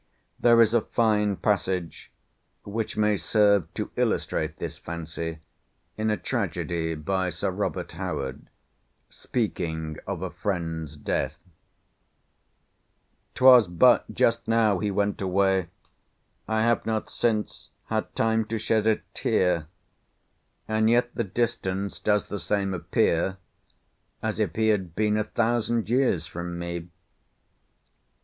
There is a fine passage, which may serve to illustrate this fancy, in a Tragedy by Sir Robert Howard, speaking of a friend's death: —'Twas but just now he went away; I have not since had time to shed a tear; And yet the distance does the same appear As if he had been a thousand years from me.